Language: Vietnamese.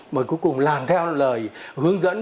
mà cuối cùng làm theo lời hướng dẫn